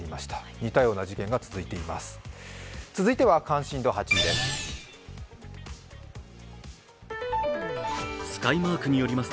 似たような事件が続いています。